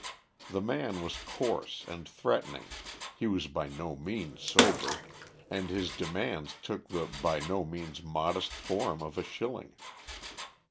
The man was coarse and threatening, he was by no means sober, and his demands took the by no means modest form of a shilling.